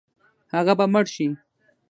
هغه به مړ شي.